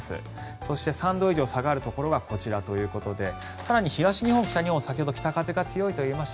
そして、３度以上下がるところがこちらということで更に東日本、北日本先ほど北風が強いといいました。